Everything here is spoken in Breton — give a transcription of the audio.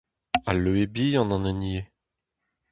Al leue bihan an hini eo.